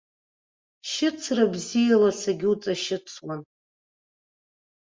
Шьыцра бзиала сагьуҵашьыцуан.